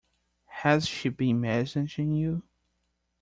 Has she been messaging you?